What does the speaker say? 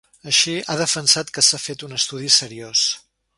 Així, ha defensat que s’ha fet un estudi “seriós”.